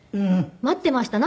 「待っていました」